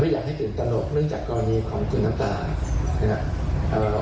ไม่อยากให้ตื่นตระหนกเนื่องจากกรณีของคุณน้ำตาล